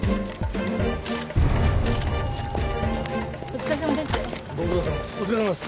お疲れさまです。